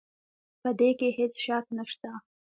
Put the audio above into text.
په دې کې هيڅ شک نشته